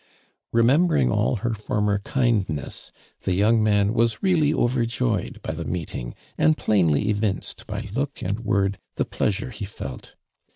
Remembering all her former kindness, the young man was really over joyed by the meeting, and plainly evinced by look and word, the pleasure he felt.